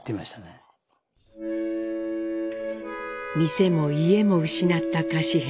店も家も失った柏平。